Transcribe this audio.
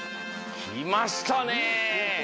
きましたね。